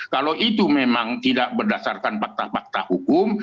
kalau itu memang tidak berdasarkan fakta fakta hukum